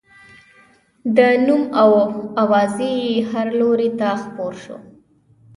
د نوم او اوازې یې هر لوري ته خپور شو.